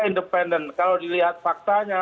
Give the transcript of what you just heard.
independen kalau dilihat faktanya